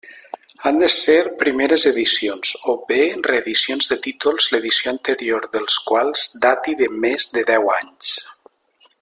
Han de ser primeres edicions, o bé reedicions de títols l'edició anterior dels quals dati de més de deu anys.